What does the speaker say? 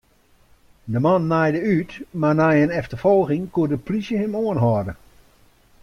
De man naaide út, mar nei in efterfolging koe de plysje him oanhâlde.